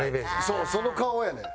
そうその顔やねん。